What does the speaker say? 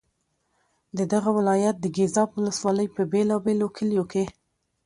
د دغه ولایت د ګیزاب ولسوالۍ په بېلا بېلو کلیو کې.